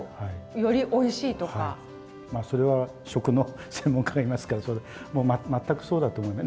まあそれは食の専門家がいますからもう全くそうだと思います。